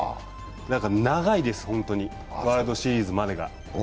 長いです、ホントにワールドシリーズまでが。